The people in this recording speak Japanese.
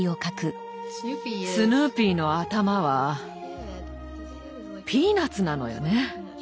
スヌーピーの頭はピーナツなのよね。